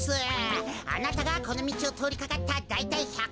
あなたがこのみちをとおりかかっただいたい１００